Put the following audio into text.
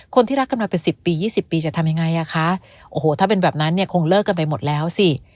คนที่รักกันมาเป็นสิบปียี่สิบปีจะทำยังไงอ่ะคะโอ้โหถ้าเป็นแบบนั้นเนี่ยคงเลิกกันไปหมดแล้วสิ